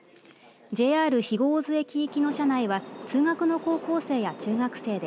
ＪＲ肥後大津駅行きの車内は通学の高校生や中学生で